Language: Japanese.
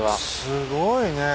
すごいね。